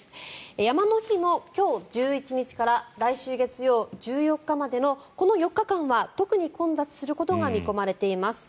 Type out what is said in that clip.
山の日の今日１１日から来週月曜１４日までのこの４日間は特に混雑することが見込まれています。